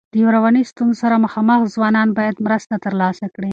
د رواني ستونزو سره مخامخ ځوانان باید مرسته ترلاسه کړي.